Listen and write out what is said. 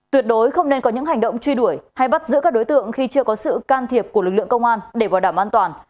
tuyệt đối không nên có những hành động truy đuổi hay bắt giữ các đối tượng khi chưa có sự can thiệp của lực lượng công an để bảo đảm an toàn